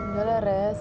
udah lah res